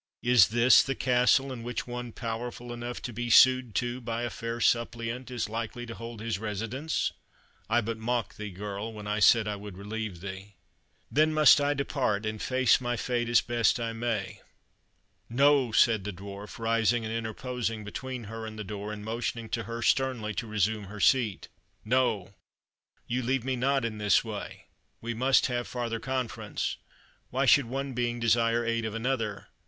Is this the castle in which one powerful enough to be sued to by a fair suppliant is likely to hold his residence? I but mocked thee, girl, when I said I would relieve thee." "Then must I depart, and face my fate as I best may!" "No!" said the Dwarf, rising and interposing between her and the door, and motioning to her sternly to resume her seat "No! you leave me not in this way; we must have farther conference. Why should one being desire aid of another?